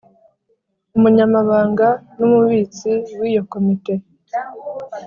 Umunyamabanga n Umubitsi w Iyo Komite